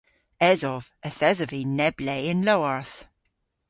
Esov. Yth esov vy neb le y'n lowarth.